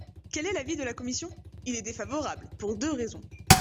Quel est l’avis de la commission ? Il est défavorable, pour deux raisons.